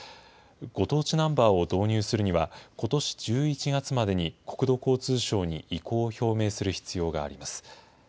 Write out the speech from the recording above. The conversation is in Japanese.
ご当地ナンバーを導入するには、ことし１１月までに国土交通省に意向を表明する必要があります。